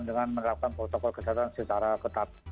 dengan menerapkan protokol kesehatan secara ketat